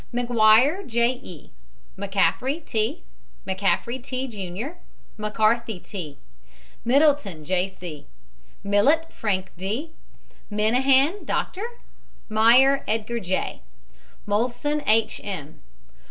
MAGUIRE, J. E. McCAFFRY, T. McCAFFRY, T., JR. McCARTHY, T. MIDDLETON, J. C. MILLET, FRANK D. MINAHAN, DR. MEYER, EDGAR J. MOLSON, H. M.